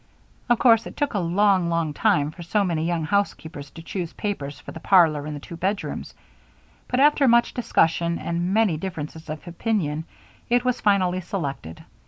Of course it took a long, long time for so many young housekeepers to choose papers for the parlor and the two bedrooms, but after much discussion and many differences of opinion, it was finally selected.